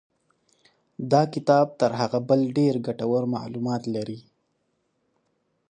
دا کتاب تر هغه بل ډېر ګټور معلومات لري.